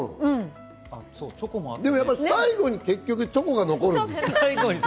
最後に結局チョコが残るんですよ。